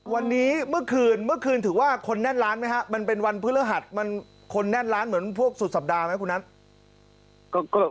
วันนี้เมื่อคืนเมื่อคืนถือว่าคนแน่นล้านไหมฮะมันเป็นวันพฤหัสมันคนแน่นร้านเหมือนพวกสุดสัปดาห์ไหมคุณนัท